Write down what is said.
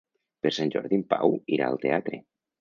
Per Sant Jordi en Pau irà al teatre.